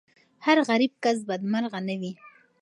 هر غریب کس بدمرغه نه وي.